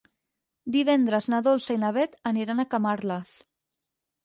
Divendres na Dolça i na Beth aniran a Camarles.